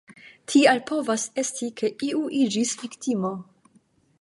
Tial povas esti ke iu iĝis viktimo.